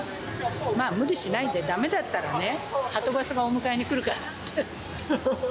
まあ、無理しないで、だめだったらね、はとバスがお迎えに来るからって言って。